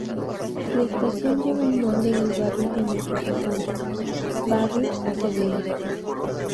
La Estación lleva el nombre del barrio en el que se encuentra: Barrio Acevedo.